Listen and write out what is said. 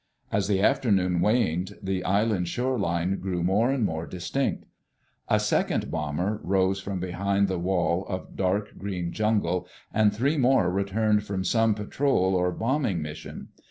As the afternoon waned, the island's shore line grew more and more distinct. A second bomber rose from behind the wall of dark green jungle, and three more returned from some patrol or bombing mission.